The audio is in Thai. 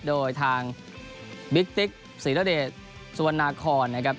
โดยทางบิ๊กติ๊กศรีรเดชสุวรรณาคอนนะครับ